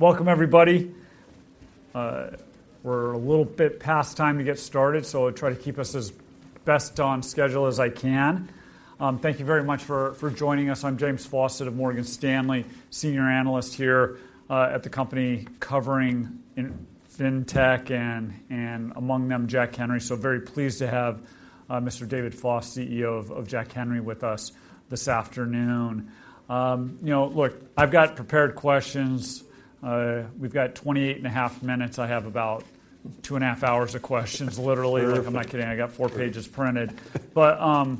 Welcome, everybody. We're a little bit past time to get started, so I'll try to keep us as best on schedule as I can. Thank you very much for, for joining us. I'm James Faucette of Morgan Stanley, Senior Analyst here, at the company, covering in fintech and, and among them, Jack Henry. So very pleased to have, Mr. David Foss, CEO of, of Jack Henry, with us this afternoon. You know, look, I've got prepared questions. We've got 28.5 minutes. I have about 2.5 hours of questions, literally. Sure. I'm not kidding. I got four pages printed. But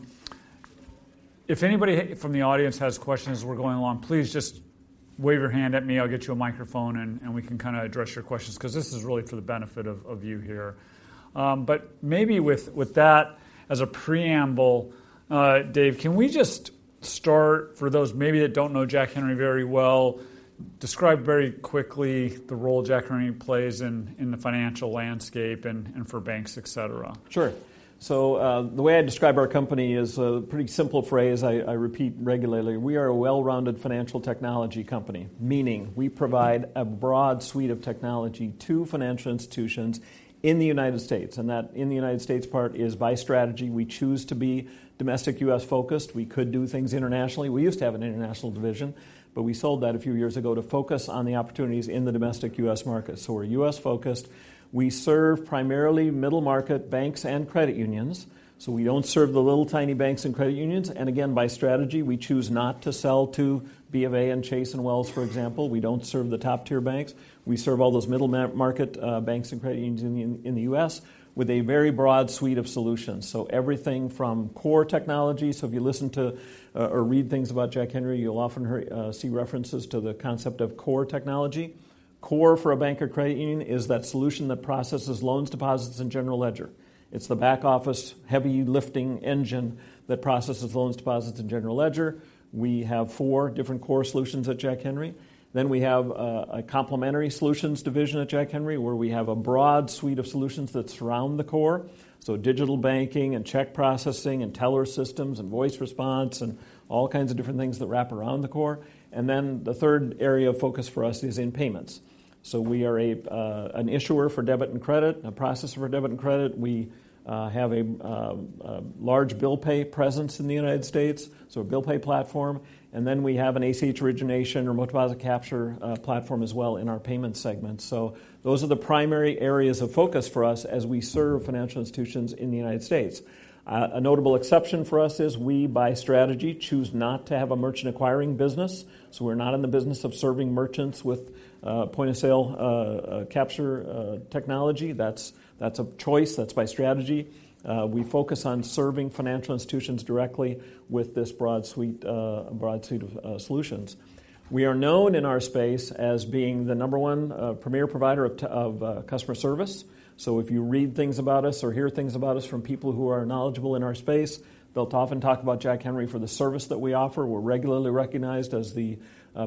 if anybody from the audience has questions as we're going along, please just wave your hand at me. I'll get you a microphone, and we can kinda address your questions, 'cause this is really for the benefit of you here. But maybe with that as a preamble, Dave, can we just start, for those maybe that don't know Jack Henry very well, describe very quickly the role Jack Henry plays in the financial landscape and for banks, et cetera? Sure. So, the way I describe our company is a pretty simple phrase I repeat regularly: We are a well-rounded financial technology company, meaning we provide- Mm-hmm A broad suite of technology to financial institutions in the United States, and that in the United States part is by strategy. We choose to be domestic US-focused. We could do things internationally. We used to have an international division, but we sold that a few years ago to focus on the opportunities in the domestic US market, so we're US-focused. We serve primarily middle-market banks and credit unions, so we don't serve the little, tiny banks and credit unions. And again, by strategy, we choose not to sell to B of A and Chase and Wells, for example. We don't serve the top-tier banks. We serve all those middle-market banks and credit unions in the US with a very broad suite of solutions, so everything from core technology. So if you listen to or read things about Jack Henry, you'll often hear see references to the concept of core technology. Core, for a bank or credit union, is that solution that processes loans, deposits, and general ledger. It's the back-office, heavy-lifting engine that processes loans, deposits, and general ledger. We have four different core solutions at Jack Henry. Then, we have a complementary solutions division at Jack Henry, where we have a broad suite of solutions that surround the core, so digital banking and check processing and teller systems and voice response and all kinds of different things that wrap around the core. And then, the third area of focus for us is in payments. So we are an issuer for debit and credit, a processor for debit and credit. We have a large bill pay presence in the United States, so a bill pay platform. And then we have an ACH origination or remote deposit capture platform as well in our payment segment. So those are the primary areas of focus for us as we serve financial institutions in the United States. A notable exception for us is we, by strategy, choose not to have a merchant acquiring business, so we're not in the business of serving merchants with point-of-sale capture technology. That's a choice. That's by strategy. We focus on serving financial institutions directly with this broad suite of solutions. We are known in our space as being the number one premier provider of customer service. So if you read things about us or hear things about us from people who are knowledgeable in our space, they'll often talk about Jack Henry for the service that we offer. We're regularly recognized as the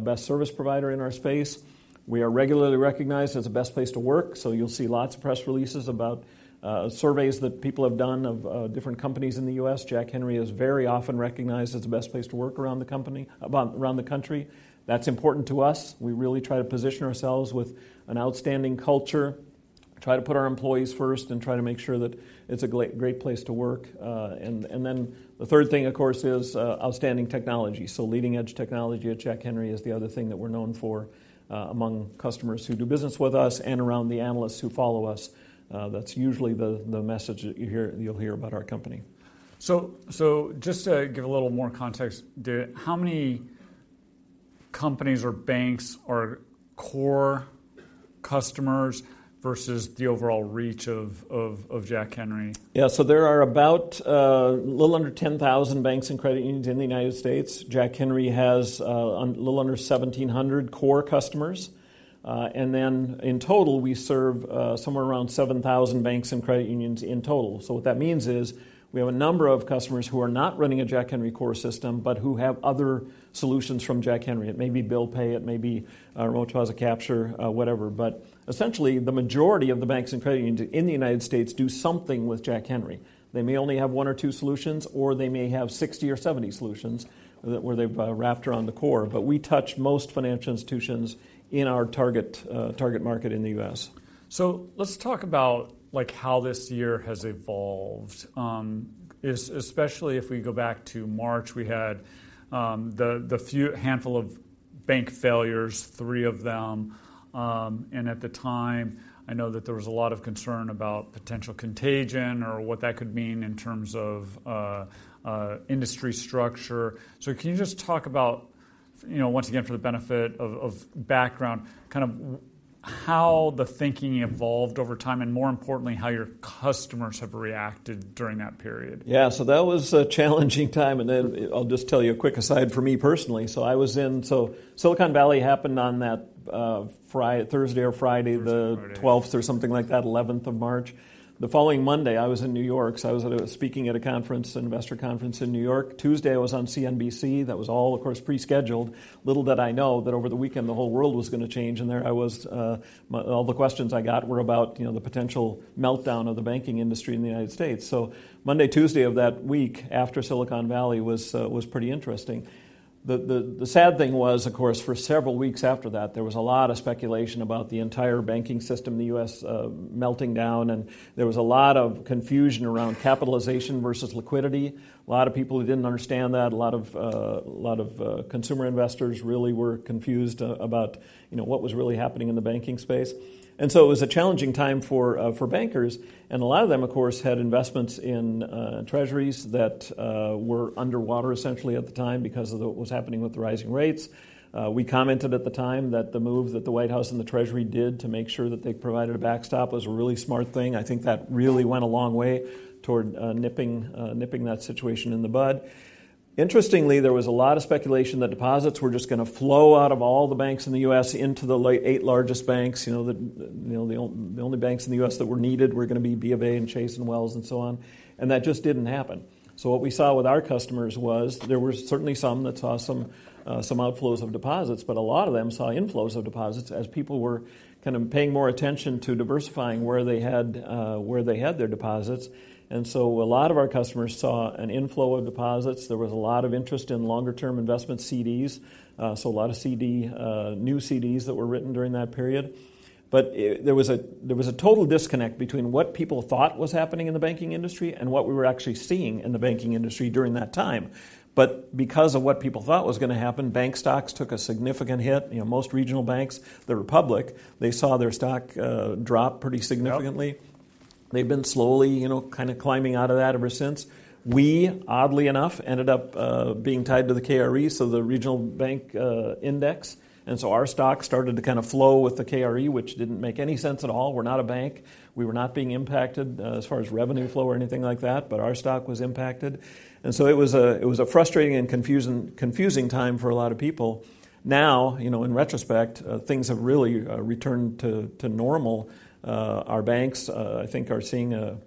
best service provider in our space. We are regularly recognized as the best place to work, so you'll see lots of press releases about surveys that people have done of different companies in the U.S. Jack Henry is very often recognized as the best place to work around the company, around the country. That's important to us. We really try to position ourselves with an outstanding culture, try to put our employees first, and try to make sure that it's a great, great place to work. And then the third thing, of course, is outstanding technology. So leading-edge technology at Jack Henry is the other thing that we're known for among customers who do business with us and around the analysts who follow us. That's usually the message that you'll hear about our company. So, just to give a little more context, how many companies or banks are core customers versus the overall reach of Jack Henry? Yeah, so there are about a little under 10,000 banks and credit unions in the United States. Jack Henry has a little under 1,700 core customers. And then in total, we serve somewhere around 7,000 banks and credit unions in total. So what that means is we have a number of customers who are not running a Jack Henry core system but who have other solutions from Jack Henry. It may be bill pay. It may be remote deposit capture, whatever. But essentially, the majority of the banks and credit unions in the United States do something with Jack Henry. They may only have one or two solutions, or they may have 60 or 70 solutions where they've wrapped around the core, but we touch most financial institutions in our target target market in the U.S. So let's talk about, like, how this year has evolved. Especially if we go back to March, we had the few handful of bank failures, three of them. And at the time, I know that there was a lot of concern about potential contagion or what that could mean in terms of industry structure. So can you just talk about, you know, once again, for the benefit of background, kind of how the thinking evolved over time and, more importantly, how your customers have reacted during that period? Yeah, so that was a challenging time, and then I'll just tell you a quick aside from me personally. So I was i, so Silicon Valley happened on that, Thursday or Friday. Thursday, Friday The12th or something like that, eleventh of March. The following Monday, I was in New York, so I was at a, speaking at a conference, an investor conference in New York. Tuesday, I was on CNBC. That was all, of course, pre-scheduled. Little did I know that over the weekend, the whole world was gonna change, and there I was. All the questions I got were about, you know, the potential meltdown of the banking industry in the United States. So Monday, Tuesday of that week after Silicon Valley was pretty interesting. The sad thing was, of course, for several weeks after that, there was a lot of speculation about the entire banking system in the U.S., melting down, and there was a lot of confusion around capitalization versus liquidity. A lot of people who didn't understand that, a lot of consumer investors really were confused about, you know, what was really happening in the banking space. And so it was a challenging time for bankers, and a lot of them, of course, had investments in treasuries that were underwater, essentially, at the time because of what was happening with the rising rates. We commented at the time that the move that the White House and the Treasury did to make sure that they provided a backstop was a really smart thing. I think that really went a long way toward nipping that situation in the bud. Interestingly, there was a lot of speculation that deposits were just gonna flow out of all the banks in the U.S. into the eight largest banks. You know, the only banks in the U.S. that were needed were gonna be B of A and Chase and Wells and so on, and that just didn't happen. So what we saw with our customers was there were certainly some that saw some outflows of deposits, but a lot of them saw inflows of deposits as people were kind of paying more attention to diversifying where they had their deposits. And so a lot of our customers saw an inflow of deposits. There was a lot of interest in longer-term investment CDs, so a lot of CD new CDs that were written during that period. But there was a total disconnect between what people thought was happening in the banking industry and what we were actually seeing in the banking industry during that time. But because of what people thought was gonna happen, bank stocks took a significant hit. You know, most regional banks, the Republic, they saw their stock drop pretty significantly. Yep. They've been slowly, you know, kinda climbing out of that ever since. We, oddly enough, ended up being tied to the KRE, so the regional bank index, and so our stock started to kind of flow with the KRE, which didn't make any sense at all. We're not a bank. We were not being impacted as far as revenue flow or anything like that, but our stock was impacted, and so it was a, it was a frustrating and confusing, confusing time for a lot of people. Now, you know, in retrospect, things have really returned to normal. Our banks, I think, are seeing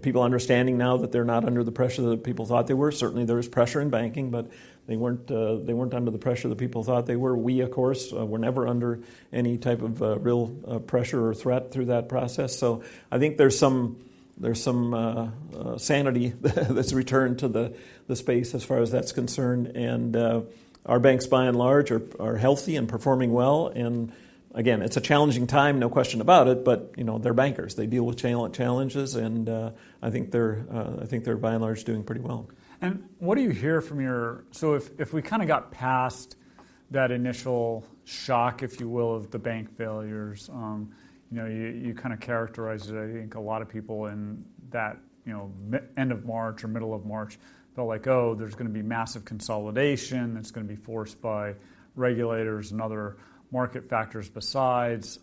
people understanding now that they're not under the pressure that people thought they were. Certainly, there was pressure in banking, but they weren't under the pressure that people thought they were. We, of course, were never under any type of real pressure or threat through that process. So I think there's some sanity that's returned to the space as far as that's concerned. And our banks, by and large, are healthy and performing well. And again, it's a challenging time, no question about it, but, you know, they're bankers. They deal with challenges, and I think they're by and large doing pretty well. What do you hear from your so if, if we kinda got past that initial shock, if you will, of the bank failures, you know, you kinda characterized it. I think a lot of people in that, you know, mid-end of March or middle of March, felt like, "Oh, there's gonna be massive consolidation that's gonna be forced by regulators and other market factors besides,"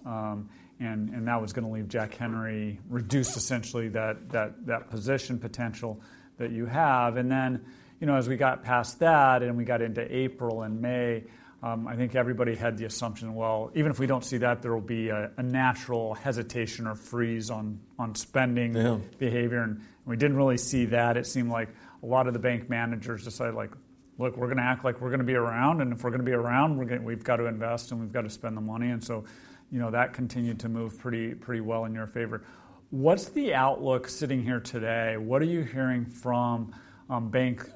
and that was gonna leave Jack Henry reduced, essentially, that position potential that you have. Then, you know, as we got past that, and we got into April and May, I think everybody had the assumption, well, even if we don't see that, there will be a natural hesitation or freeze on spending- Yeah Behavior, and we didn't really see that. It seemed like a lot of the bank managers decided, like: Look, we're gonna act like we're gonna be around, and if we're gonna be around, we're gonna- we've got to invest, and we've got to spend the money. And so, you know, that continued to move pretty, pretty well in your favor. What's the outlook sitting here today? What are you hearing from bank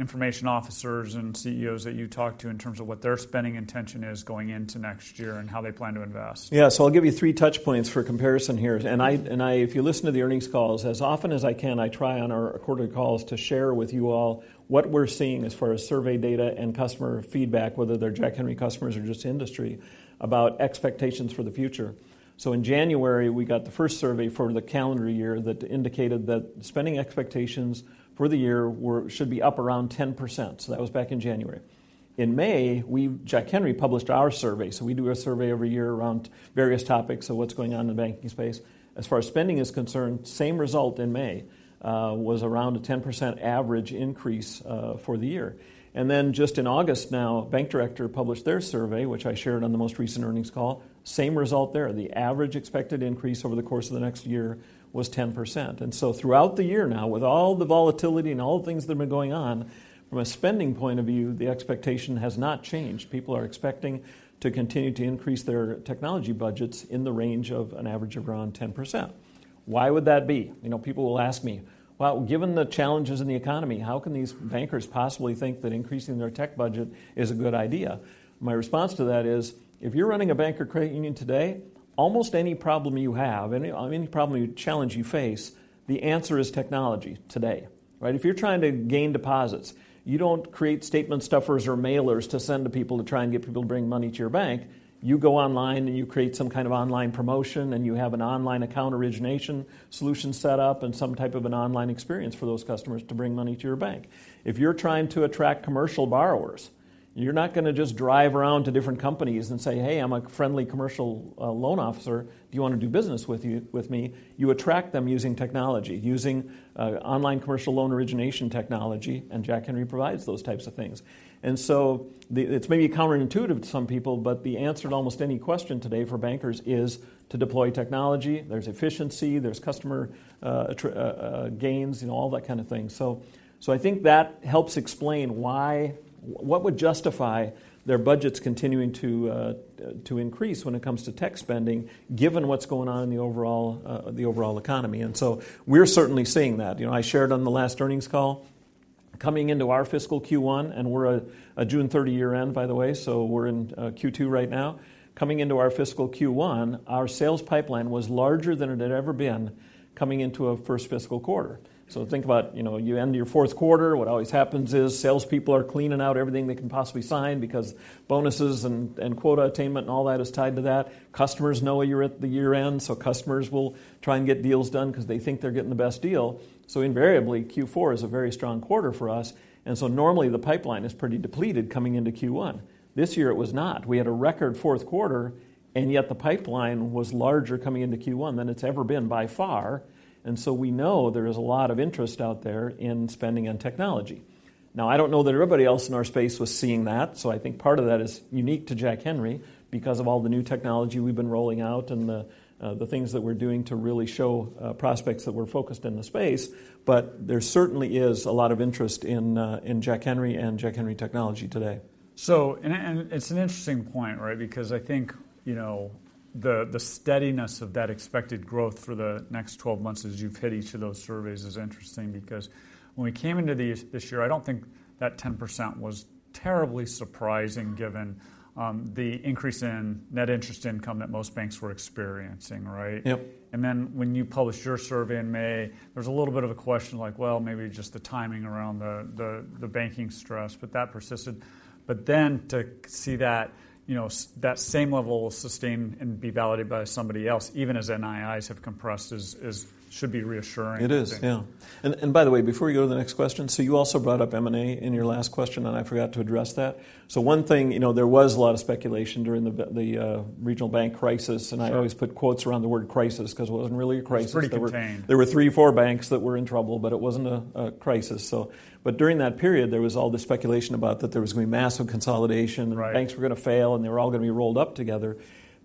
information officers and CEOs that you talk to in terms of what their spending intention is going into next year and how they plan to invest? Yeah, so I'll give you three touch points for comparison here. And I if you listen to the earnings calls, as often as I can, I try on our quarterly calls to share with you all what we're seeing as far as survey data and customer feedback, whether they're Jack Henry customers or just industry, about expectations for the future. So in January, we got the first survey for the calendar year that indicated that spending expectations for the year were, should be up around 10%, so that was back in January. In May, we, Jack Henry, published our survey. So we do a survey every year around various topics of what's going on in the banking space. As far as spending is concerned, same result in May, was around a 10% average increase, for the year. And then, just in August, now, Bank Director published their survey, which I shared on the most recent earnings call. Same result there. The average expected increase over the course of the next year was 10%. And so throughout the year now, with all the volatility and all the things that have been going on, from a spending point of view, the expectation has not changed. People are expecting to continue to increase their technology budgets in the range of an average of around 10%. Why would that be? You know, people will ask me, "Well, given the challenges in the economy, how can these bankers possibly think that increasing their tech budget is a good idea?" My response to that is, if you're running a bank or credit union today, almost any problem you have, any, any problem or challenge you face, the answer is technology today, right? If you're trying to gain deposits, you don't create statement stuffers or mailers to send to people to try and get people to bring money to your bank. You go online, and you create some kind of online promotion, and you have an online account origination solution set up and some type of an online experience for those customers to bring money to your bank. If you're trying to attract commercial borrowers, you're not gonna just drive around to different companies and say: "Hey, I'm a friendly commercial loan officer. Do you wanna do business with me?" You attract them using technology, using online commercial loan origination technology, and Jack Henry provides those types of things. And so the, it's maybe counterintuitive to some people, but the answer to almost any question today for bankers is to deploy technology. There's efficiency, there's customer attraction gains, and all that kind of thing. So, so I think that helps explain why what would justify their budgets continuing to increase when it comes to tech spending, given what's going on in the overall economy. And so we're certainly seeing that. You know, I shared on the last earnings call. Coming into our fiscal Q1, and we're a June 30 year-end, by the way, so we're in Q2 right now. Coming into our fiscal Q1, our sales pipeline was larger than it had ever been coming into a first fiscal quarter. So think about, you know, you end your fourth quarter, what always happens is salespeople are cleaning out everything they can possibly sign because bonuses and quota attainment, and all that is tied to that. Customers know you're at the year-end, so customers will try and get deals done 'cause they think they're getting the best deal. So invariably, Q4 is a very strong quarter for us, and so normally the pipeline is pretty depleted coming into Q1. This year it was not. We had a record fourth quarter, and yet the pipeline was larger coming into Q1 than it's ever been by far, and so we know there is a lot of interest out there in spending on technology. Now, I don't know that everybody else in our space was seeing that, so I think part of that is unique to Jack Henry because of all the new technology we've been rolling out and the things that we're doing to really show prospects that we're focused in the space, but there certainly is a lot of interest in Jack Henry and Jack Henry technology today. And it's an interesting point, right? Because I think, you know, the steadiness of that expected growth for the next 12 months as you've hit each of those surveys is interesting because when we came into this year, I don't think that 10% was terribly surprising, given the increase in net interest income that most banks were experiencing, right? Yep. And then, when you published your survey in May, there was a little bit of a question like, well, maybe just the timing around the banking stress, but that persisted. But then, to see that, you know, that same level sustained and be validated by somebody else, even as NIIs have compressed, is should be reassuring. It is, yeah. And by the way, before you go to the next question, so you also brought up M&A in your last question, and I forgot to address that. So one thing, you know, there was a lot of speculation during the regional bank crisis- Sure And I always put quotes around the word crisis, 'cause it wasn't really a crisis. It's pretty contained. There were three, four banks that were in trouble, but it wasn't a crisis, so. But during that period, there was all this speculation about that there was gonna be massive consolidation- Right Banks were gonna fail, and they were all gonna be rolled up together.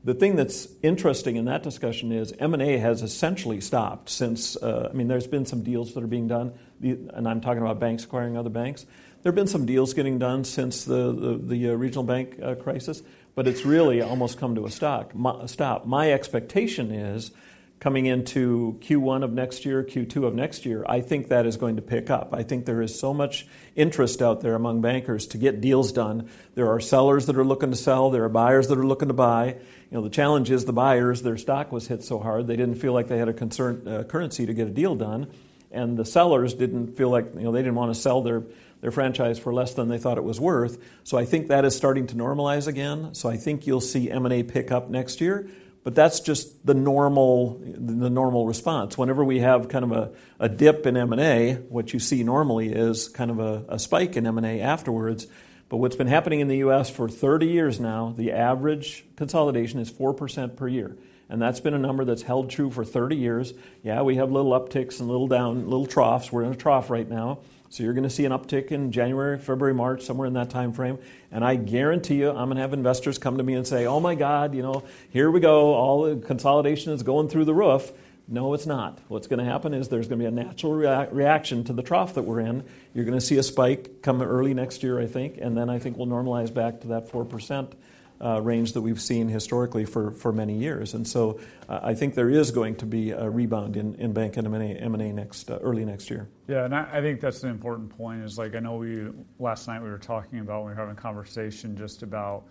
The thing that's interesting in that discussion is M&A has essentially stopped since. I mean, there's been some deals that are being done, the, and I'm talking about banks acquiring other banks. There have been some deals getting done since the regional bank crisis, but it's really almost come to a stop. My expectation is, coming into Q1 of next year, Q2 of next year, I think that is going to pick up. I think there is so much interest out there among bankers to get deals done. There are sellers that are looking to sell. There are buyers that are looking to buy. You know, the challenge is the buyers, their stock was hit so hard they didn't feel like they had a concern, currency to get a deal done, and the sellers didn't feel like, you know, they didn't want to sell their, their franchise for less than they thought it was worth. So I think that is starting to normalize again, so I think you'll see M&A pick up next year. But that's just the normal, the normal response. Whenever we have kind of a, a dip in M&A, what you see normally is kind of a, a spike in M&A afterwards. But what's been happening in the U.S. for 30 years now, the average consolidation is 4% per year, and that's been a number that's held true for 30 years. Yeah, we have little upticks and little down, little troughs. We're in a trough right now, so you're gonna see an uptick in January, February, March, somewhere in that timeframe. And I guarantee you, I'm gonna have investors come to me and say, "Oh, my God, you know, here we go. All the consolidation is going through the roof." No, it's not. What's gonna happen is there's gonna be a natural reaction to the trough that we're in. You're gonna see a spike come early next year, I think, and then I think we'll normalize back to that 4% range that we've seen historically for many years. And so, I think there is going to be a rebound in bank M&A next early next year. Yeah, and I think that's an important point, is like, I know we-- last night we were talking about, we were having a conversation just about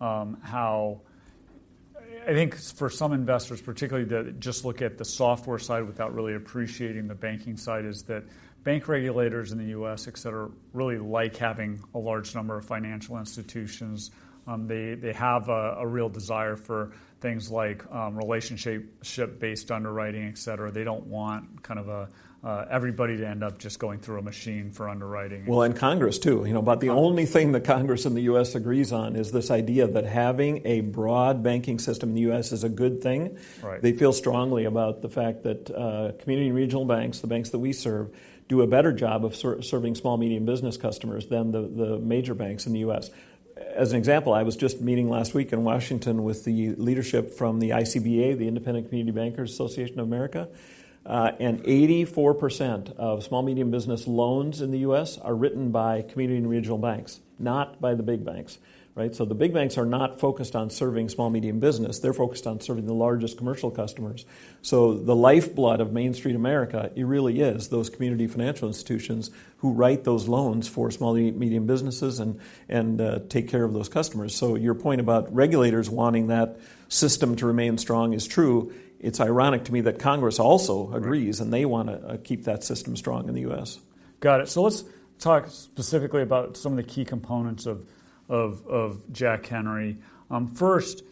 how I think for some investors, particularly that just look at the software side without really appreciating the banking side, is that bank regulators in the U.S., et cetera, really like having a large number of financial institutions. They have a real desire for things like relationship-based underwriting, et cetera. They don't want kind of everybody to end up just going through a machine for underwriting. Well, and Congress, too, you know? Congress. The only thing that Congress in the U.S. agrees on is this idea that having a broad banking system in the U.S. is a good thing. Right. They feel strongly about the fact that, community regional banks, the banks that we serve, do a better job of serving small, medium business customers than the, the major banks in the U.S. As an example, I was just meeting last week in Washington with the leadership from the ICBA, the Independent Community Bankers of America, and 84% of small, medium business loans in the U.S. are written by community and regional banks, not by the big banks, right? So the big banks are not focused on serving small, medium business. They're focused on serving the largest commercial customers. So the lifeblood of Main Street America, it really is those community financial institutions who write those loans for small, medium businesses and take care of those customers. So your point about regulators wanting that system to remain strong is true. It's ironic to me that Congress also agrees- Right And they wanna keep that system strong in the U.S. Got it. So let's talk specifically about some of the key components of Jack Henry. First,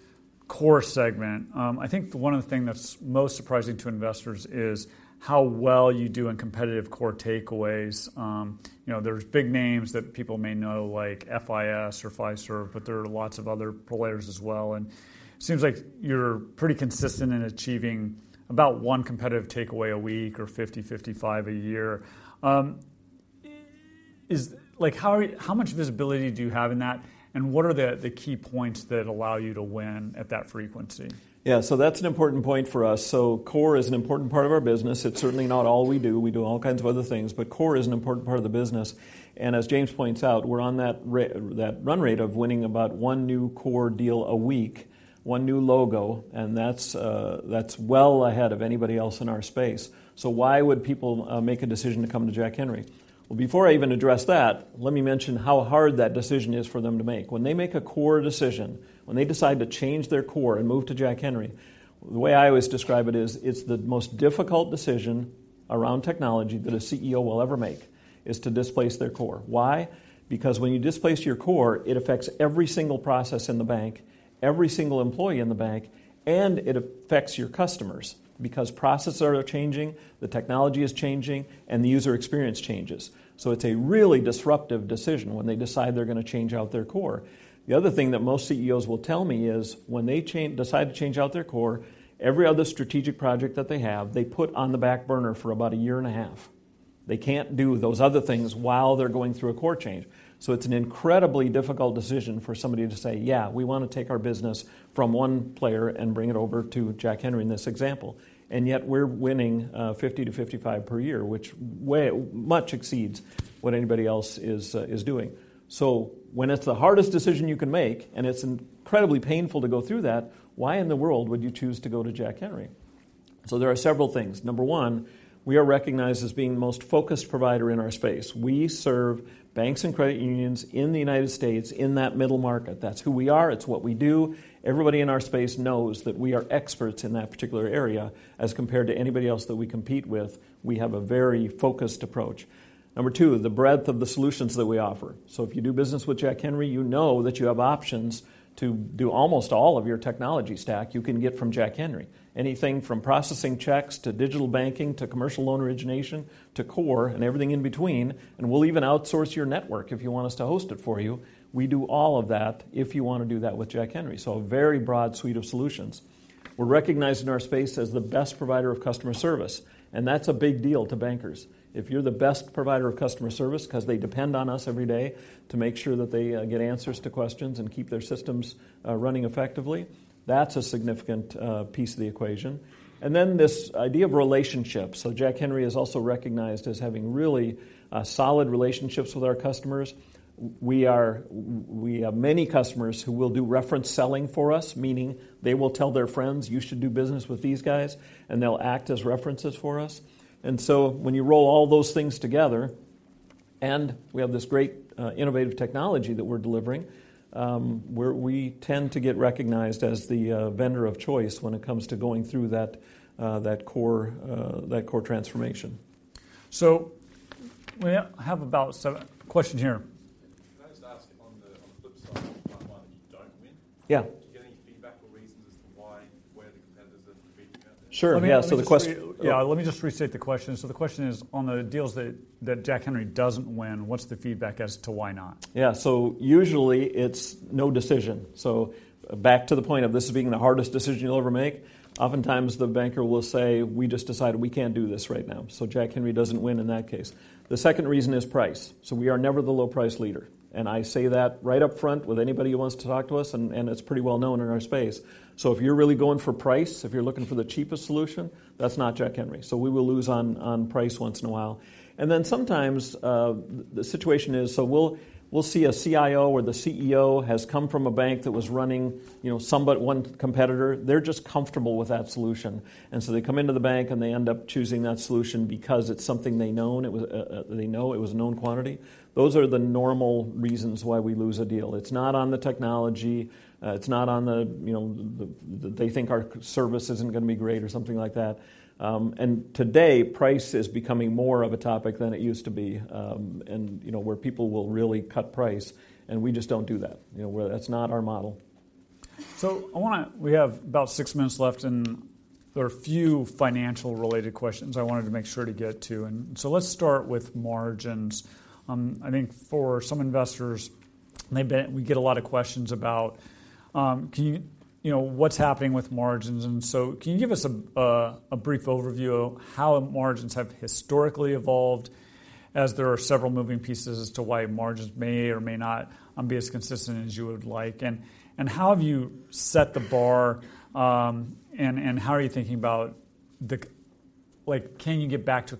core segment. I think one of the thing that's most surprising to investors is how well you do in competitive core takeaways. You know, there's big names that people may know, like FIS or Fiserv, but there are lots of other players as well, and seems like you're pretty consistent in achieving about one competitive takeaway a week or 50-55 a year. Like, how much visibility do you have in that, and what are the key points that allow you to win at that frequency? Yeah, so that's an important point for us. So core is an important part of our business. It's certainly not all we do. We do all kinds of other things, but core is an important part of the business. And as James points out, we're on that run rate of winning about one new core deal a week, one new logo, and that's well ahead of anybody else in our space. So why would people make a decision to come to Jack Henry? Well, before I even address that, let me mention how hard that decision is for them to make. When they make a core decision, when they decide to change their core and move to Jack Henry, the way I always describe it is, it's the most difficult decision around technology that a CEO will ever make is to displace their core. Why? Because when you displace your core, it affects every single process in the bank, every single employee in the bank, and it affects your customers. Because processes are changing, the technology is changing, and the user experience changes. So it's a really disruptive decision when they decide they're gonna change out their core. The other thing that most CEOs will tell me is, when they decide to change out their core, every other strategic project that they have, they put on the back burner for about a year and a half. They can't do those other things while they're going through a core change. So it's an incredibly difficult decision for somebody to say, "Yeah, we wanna take our business from one player and bring it over to Jack Henry," in this example. And yet we're winning 50-55 per year, which way much exceeds what anybody else is doing. So when it's the hardest decision you can make, and it's incredibly painful to go through that, why in the world would you choose to go to Jack Henry? So there are several things. Number one, we are recognized as being the most focused provider in our space. We serve banks and credit unions in the United States in that middle market. That's who we are. It's what we do. Everybody in our space knows that we are experts in that particular area. As compared to anybody else that we compete with, we have a very focused approach. Number two, the breadth of the solutions that we offer. So if you do business with Jack Henry, you know that you have options to do almost all of your technology stack, you can get from Jack Henry. Anything from processing checks, to digital banking, to commercial loan origination, to core, and everything in between, and we'll even outsource your network if you want us to host it for you. We do all of that if you wanna do that with Jack Henry, so a very broad suite of solutions. We're recognized in our space as the best provider of customer service, and that's a big deal to bankers. If you're the best provider of customer service, 'cause they depend on us every day to make sure that they get answers to questions and keep their systems running effectively, that's a significant piece of the equation. And then, this idea of relationships. So Jack Henry is also recognized as having really solid relationships with our customers. We have many customers who will do reference selling for us, meaning they will tell their friends, "You should do business with these guys," and they'll act as references for us. And so when you roll all those things together, and we have this great innovative technology that we're delivering, we tend to get recognized as the vendor of choice when it comes to going through that core transformation. So we have about seven. Question here. Can I just ask on the, on the flip side, the one that you don't win. Yeah. Do you get any feedback or reasons as to why, where the competitors are competing out there? Sure. Yeah, so Let me just restate. Yeah, let me just restate the question. So the question is, on the deals that, that Jack Henry doesn't win, what's the feedback as to why not? Yeah. So usually it's no decision. So back to the point of this being the hardest decision you'll ever make, oftentimes the banker will say, "We just decided we can't do this right now." So Jack Henry doesn't win in that case. The second reason is price. So we are never the low-price leader, and I say that right up front with anybody who wants to talk to us, and, and it's pretty well known in our space. So if you're really going for price, if you're looking for the cheapest solution, that's not Jack Henry. So we will lose on, on price once in a while. And then sometimes, the situation is, so we'll, we'll see a CIO or the CEO has come from a bank that was running, you know, one competitor. They're just comfortable with that solution, and so they come into the bank, and they end up choosing that solution because it's something they've known, it they know. It was a known quantity. Those are the normal reasons why we lose a deal. It's not on the technology, it's not on the, you know, that they think our service isn't gonna be great or something like that. And today, price is becoming more of a topic than it used to be, and, you know, where people will really cut price, and we just don't do that. You know, that's not our model. We have about six minutes left, and there are a few financial-related questions I wanted to make sure to get to. Let's start with margins. I think for some investors, we get a lot of questions about, you know, what's happening with margins? Can you give us a brief overview of how margins have historically evolved, as there are several moving pieces as to why margins may or may not be as consistent as you would like? How have you set the bar, and how are you thinking about the, Like, can you get back to a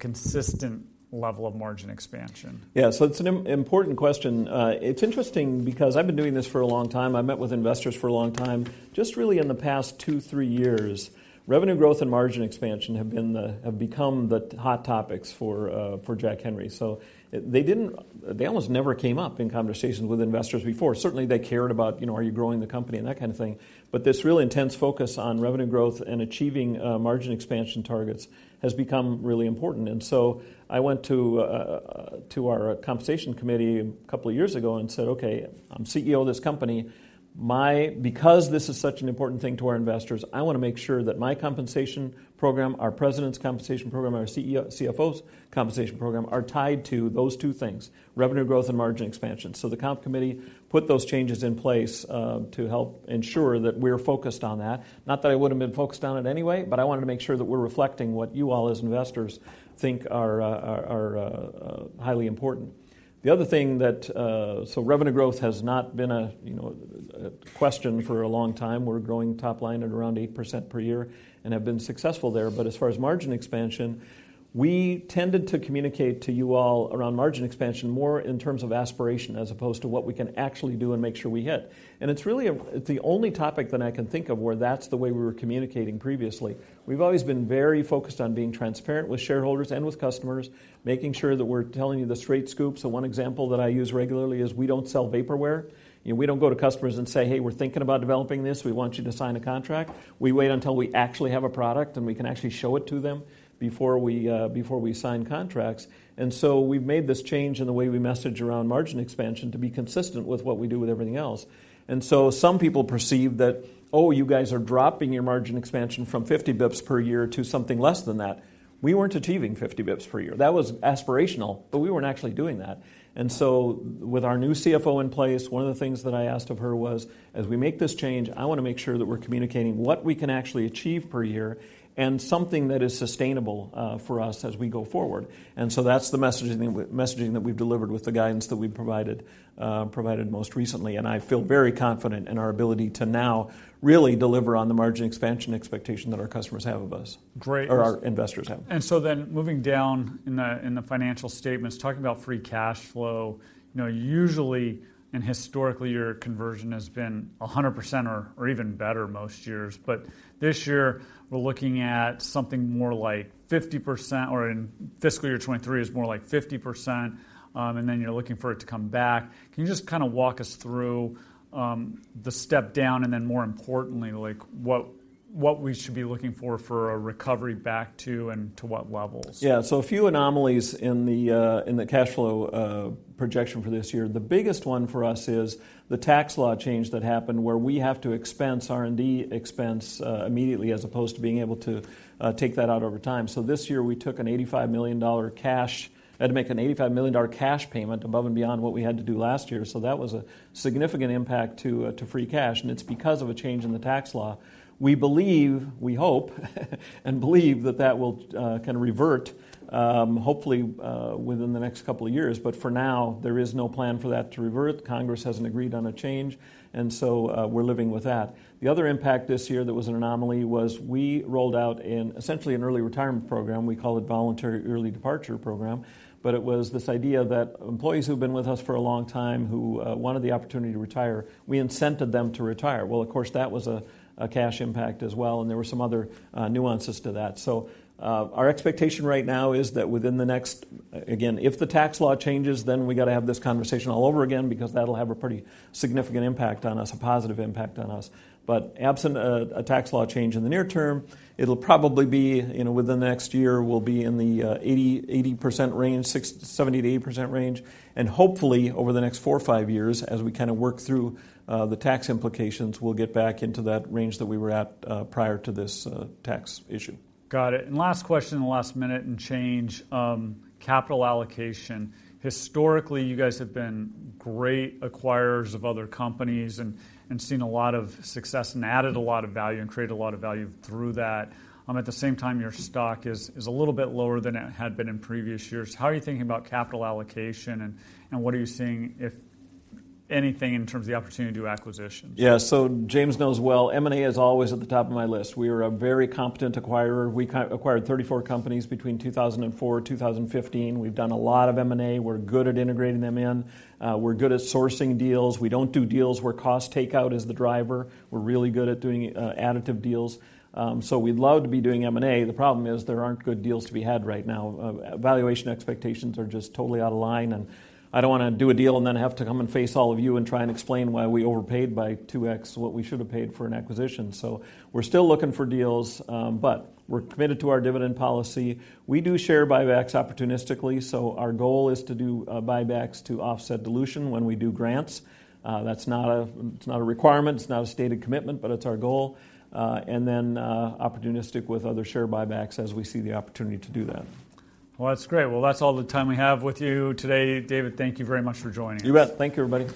consistent level of margin expansion? Yeah, so it's an important question. It's interesting because I've been doing this for a long time. I met with investors for a long time. Just really in the past two, three years, revenue growth and margin expansion have become the hot topics for Jack Henry. So they almost never came up in conversations with investors before. Certainly, they cared about, you know, are you growing the company and that kind of thing, but this really intense focus on revenue growth and achieving margin expansion targets has become really important. And so I went to our compensation committee a couple of years ago and said, "Okay, I'm CEO of this company. Because this is such an important thing to our investors, I wanna make sure that my compensation program, our president's compensation program, and our CEO and CFO's compensation program are tied to those two things: revenue growth and margin expansion." So the comp committee put those changes in place to help ensure that we're focused on that. Not that I wouldn't have been focused on it anyway, but I wanted to make sure that we're reflecting what you all as investors think are highly important. The other thing that. So revenue growth has not been a, you know, question for a long time. We're growing top line at around 8% per year and have been successful there. But as far as margin expansion, we tended to communicate to you all around margin expansion, more in terms of aspiration as opposed to what we can actually do and make sure we hit. And it's really it's the only topic that I can think of where that's the way we were communicating previously. We've always been very focused on being transparent with shareholders and with customers, making sure that we're telling you the straight scoop. So one example that I use regularly is we don't sell vaporware. You know, we don't go to customers and say, "Hey, we're thinking about developing this. We want you to sign a contract." We wait until we actually have a product, and we can actually show it to them before we, before we sign contracts. And so we've made this change in the way we message around margin expansion to be consistent with what we do with everything else. And so some people perceive that, "Oh, you guys are dropping your margin expansion from 50 bps per year to something less than that." We weren't achieving 50 bps per year. That was aspirational, but we weren't actually doing that. And so with our new CFO in place, one of the things that I asked of her was, "As we make this change, I wanna make sure that we're communicating what we can actually achieve per year and something that is sustainable for us as we go forward." And so that's the messaging that we've delivered with the guidance that we've provided most recently, and I feel very confident in our ability to now really deliver on the margin expansion expectation that our customers have of us- Great- - or our investors have. So then, moving down in the, in the financial statements, talking about free cash flow, you know, usually and historically, your conversion has been 100% or, or even better most years. But this year, we're looking at something more like 50%, or in fiscal year 2023, it's more like 50%, and then you're looking for it to come back. Can you just kinda walk us through, the step down and then, more importantly, like, what, what we should be looking for for a recovery back to, and to what levels? Yeah. So a few anomalies in the cash flow projection for this year. The biggest one for us is the tax law change that happened, where we have to expense R&D expense immediately, as opposed to being able to take that out over time. So this year, we had to make an $85 million cash payment above and beyond what we had to do last year, so that was a significant impact to free cash, and it's because of a change in the tax law. We believe, we hope, and believe that that will kind of revert, hopefully, within the next couple of years. But for now, there is no plan for that to revert. Congress hasn't agreed on a change, and so, we're living with that. The other impact this year that was an anomaly was we rolled out an essentially an early retirement program. We call it Voluntary Early Departure Program, but it was this idea that employees who've been with us for a long time, who wanted the opportunity to retire, we incented them to retire. Well, of course, that was a cash impact as well, and there were some other nuances to that. So, our expectation right now is that within the next. Again, if the tax law changes, then we gotta have this conversation all over again because that'll have a pretty significant impact on us, a positive impact on us. But absent a tax law change in the near term, it'll probably be, you know, within the next year, we'll be in the 80% range, 60-70 to 80% range, and hopefully, over the next four or five years, as we kinda work through the tax implications, we'll get back into that range that we were at prior to this tax issue. Got it. And last question in the last minute and change, capital allocation. Historically, you guys have been great acquirers of other companies and, and seen a lot of success and added a lot of value and created a lot of value through that. At the same time, your stock is, is a little bit lower than it had been in previous years. How are you thinking about capital allocation, and, and what are you seeing, if anything, in terms of the opportunity to do acquisitions? Yeah. So James knows well, M&A is always at the top of my list. We are a very competent acquirer. We acquired 34 companies between 2004 and 2015. We've done a lot of M&A. We're good at integrating them in. We're good at sourcing deals. We don't do deals where cost takeout is the driver. We're really good at doing additive deals. So we'd love to be doing M&A. The problem is, there aren't good deals to be had right now. Valuation expectations are just totally out of line, and I don't wanna do a deal and then have to come and face all of you and try and explain why we overpaid by 2x what we should have paid for an acquisition. So we're still looking for deals, but we're committed to our dividend policy. We do share buybacks opportunistically, so our goal is to do buybacks to offset dilution when we do grants. That's not a requirement, it's not a stated commitment, but it's our goal. And then, opportunistic with other share buybacks as we see the opportunity to do that. Well, that's great. Well, that's all the time we have with you today. David, thank you very much for joining us. You bet. Thank you, everybody.